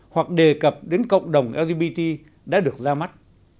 hoặc đề cập đến cộng đồng lgbt đã được ra mắt